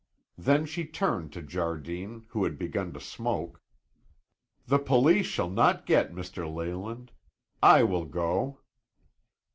Then she turned to Jardine, who had begun to smoke. "The police shall not get Mr. Leyland. I will go."